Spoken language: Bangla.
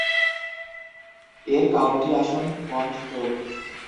এর কাউন্টি আসন পন্টটোক।